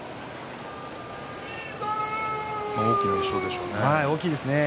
大きな１勝でしょうね。